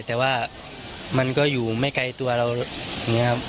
แต่ว่ามันก็อยู่ไม่ไกลตัวเราอย่างนี้ครับ